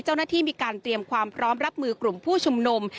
เจ้าหน้าที่มีการเตรียมความพร้อมรับมือกลุ่มผู้ชุมนุม